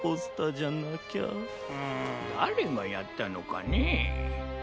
だれがやったのかねえ。